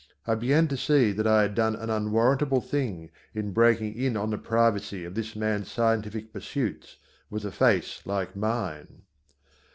I began to see that I had done an unwarrantable thing in breaking in on the privacy of this man's scientific pursuits with a face like mine.